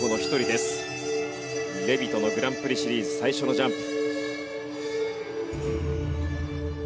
レビトのグランプリシリーズ最初のジャンプ。